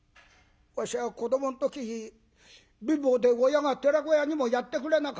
「わしは子どもの時貧乏で親が寺子屋にもやってくれなかった」。